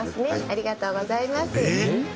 ありがとうございます。